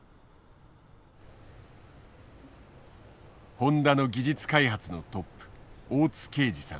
ホンダの技術開発のトップ大津啓司さん。